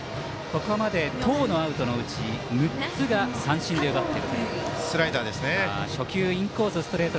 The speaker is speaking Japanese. ここまで１０のアウトのうち６つが三振で奪っているという。